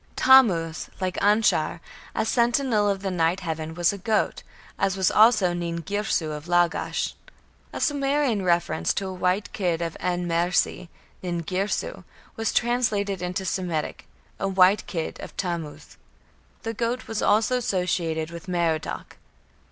Tammuz, like Anshar, as sentinel of the night heaven, was a goat, as was also Nin Girsu of Lagash. A Sumerian reference to "a white kid of En Mersi (Nin Girsu)" was translated into Semitic, "a white kid of Tammuz". The goat was also associated with Merodach.